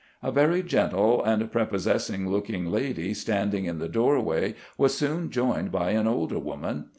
A very gentle and prepossessing looking lady standing in the doorway was soon joined by an older woman.